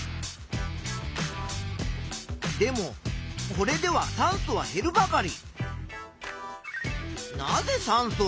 でもこれでは酸素は減るばかり。